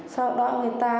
sau đó người ta